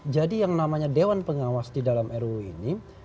jadi yang namanya dewan pengawas di dalam ruu ini